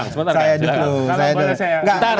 sebentar kang sebentar